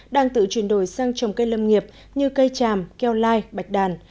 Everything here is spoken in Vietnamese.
đang tự chuyển đổi sang trồng cây lâm nghiệp như cây tràm keo lai bạch đàn